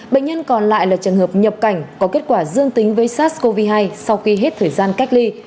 bệnh nhân còn lại là trường hợp nhập cảnh có kết quả dương tính với sars cov hai sau khi hết thời gian cách ly